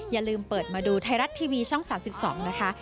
อย่าลืมเปิดมาดูไทยรัฐทีวีช่อง๓๒นะคะ